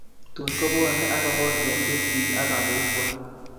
Tun konyone ak kokol ketik biik ak kandoik chwak